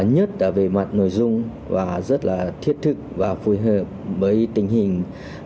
nhất là về mặt nội dung và rất là thiết thực và phù hợp với tình hình